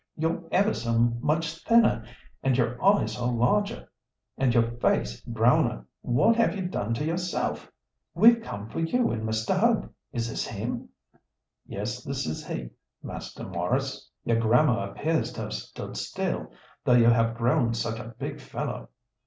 You're ever so much thinner, and your eyes are larger, and your face browner. What have you done to yourself? We've come for you and Mr. Hope. Is this him?" "Yes, this is he, Master Maurice. Your grammar appears to have stood still, though you have grown such a big fellow.